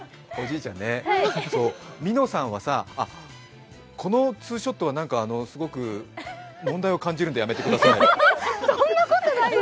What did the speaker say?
みのさんはこのツーショットはすごく問題を感じるんでやめてください。